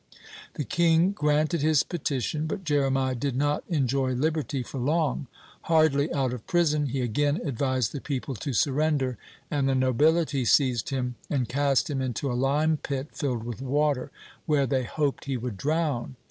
'" The king granted his petition, but Jeremiah did not enjoy liberty for long. Hardly out of prison, he again advised the people to surrender, and the nobility seized him and cast him into a lime pit filled with water, where they hoped he would drown.